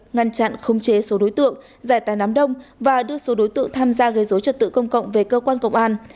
ngăn chặn không chế số đối tượng giải tài đám đông và đưa số đối tượng tham gia gây dối trật tự công cộng về cơ quan công an